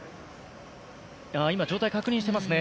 今、状態を確認していますね。